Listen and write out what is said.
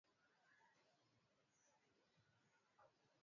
Kutokana na uwezo wao wa kuzoea mazingira tofauti tofauti